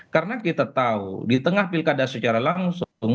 karena kita tahu di tengah pilkada secara langsung